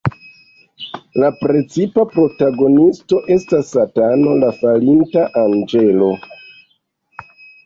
La precipa protagonisto estas Satano, la falinta anĝelo.